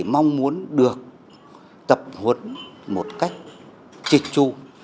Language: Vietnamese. mong muốn được tập huấn một cách trịch tru